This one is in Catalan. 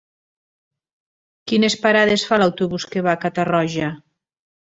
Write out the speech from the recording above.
Quines parades fa l'autobús que va a Catarroja?